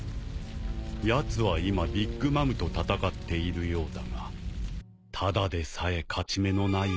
やつは今ビッグ・マムと戦っているようだがただでさえ勝ち目のない相手だ。